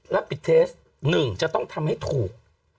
และปิดเทส๑จะต้องทำให้ถูก